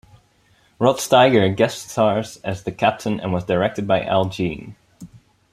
Rod Steiger guest stars as the captain and was directed by Al Jean.